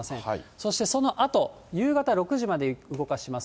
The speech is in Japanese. そしてそのあと、夕方６時まで動かします。